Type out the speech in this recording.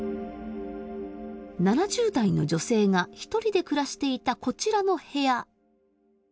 ７０代の女性が一人で暮らしていたこちらの部屋。